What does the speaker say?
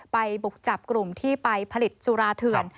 บุกจับกลุ่มที่ไปผลิตสุราเถื่อน